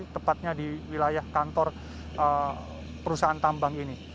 tepatnya di wilayah kantor perusahaan tambang ini